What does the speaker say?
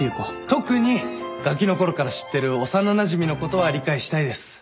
特にがきのころから知ってる幼なじみのことは理解したいです。